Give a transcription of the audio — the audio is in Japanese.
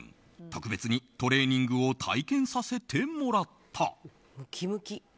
特別にトレーニングを体験させてもらった。